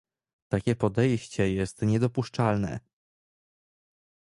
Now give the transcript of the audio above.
Takie podejście jest niedopuszczalne